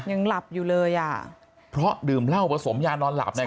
ยังหลับอยู่เลยอ่ะเพราะดื่มเหล้าผสมยานอนหลับใน